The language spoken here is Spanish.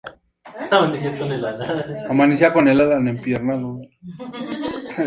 La agitación nacionalista creció.